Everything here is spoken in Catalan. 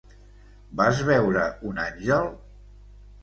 Vas veure un àngel?